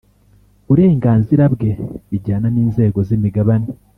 Burenganzira bwe bijyana n inzego z imigabane